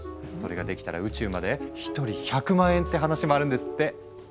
それができたら宇宙まで１人１００万円って話もあるんですって。